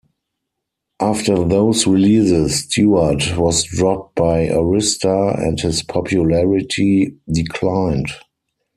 After those releases, Stewart was dropped by Arista and his popularity declined.